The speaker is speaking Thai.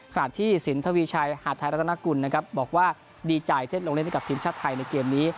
ขณะที่สินทวีชัยหาดไทยรัฐนากุลนะครับบอกว่าดีใจที่ลงเล่นให้กับทีมชาติไทยในเกมนี้